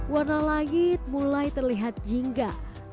warna langit mulai terlihat jingga